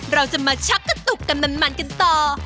เราจะมาชักกระตุกกันมันกันต่อ